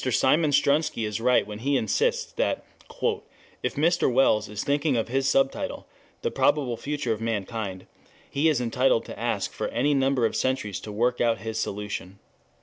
Simeon Strunsky is right when he insists that "if Mr. Wells is thinking of his subtitle, The Probable Future of Mankind, he is entitled to ask for any number of centuries to work out his solution.